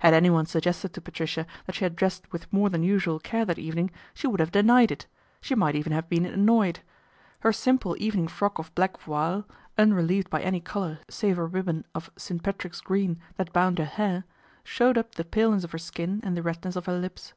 Had anyone suggested to Patricia that she had dressed with more than usual care that evening, she would have denied it, she might even have been annoyed. Her simple evening frock of black voile, unrelieved by any colour save a ribbon of St. Patrick's green that bound her hair, showed up the paleness of her skin and the redness of her lips.